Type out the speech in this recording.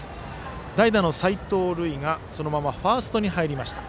代打の齋藤琉偉がそのままファーストに入りました。